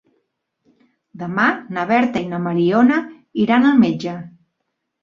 Demà na Berta i na Mariona iran al metge.